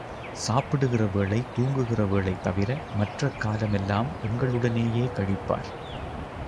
சாப்பிடுகிற வேளை தூங்குகிற வேளை தவிர, மற்றக் காலமெல்லாம் எங்களுடனேயே கழிப்பார்.